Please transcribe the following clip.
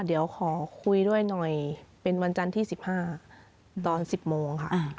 เดี๋ยวขอคุยด้วยหน่อยเป็นวันจันทร์ที่๑๕ตอน๑๐โมงค่ะ